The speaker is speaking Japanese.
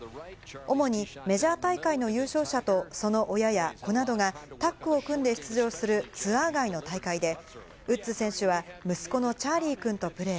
主にメジャー大会の優勝者と、その親や子などがタッグを組んで出場するツアー外の大会で、ウッズ選手は、息子のチャーリー君とプレー。